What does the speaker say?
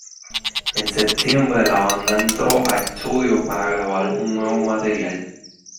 En septiembre, la banda entró a estudio para grabar un nuevo material.